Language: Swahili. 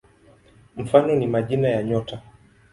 Mfano ni majina ya nyota.